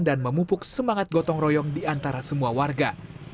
dan memupuk semangat gotong royong di antara semua warga